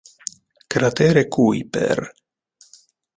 Cratere Kuiper